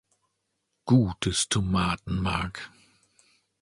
Gutes Tomatenmark.